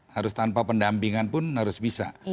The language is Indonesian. harus tanpa pendampingan pun harus bisa